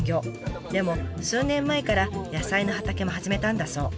でも数年前から野菜の畑も始めたんだそう。